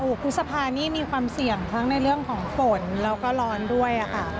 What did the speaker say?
พฤษภานี่มีความเสี่ยงทั้งในเรื่องของฝนแล้วก็ร้อนด้วยค่ะ